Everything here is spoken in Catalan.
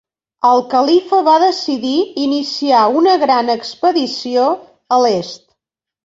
El califa va decidir iniciar una gran expedició a l'est.